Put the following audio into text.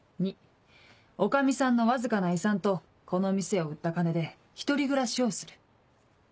２女将さんのわずかな遺産とこの店を売った金で１人暮らしをする。